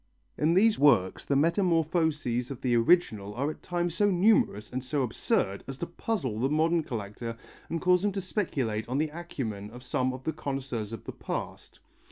In these works the metamorphoses of the original are at times so numerous and so absurd as to puzzle the modern collector and cause him to speculate on the acumen of some of the connoisseurs of the past.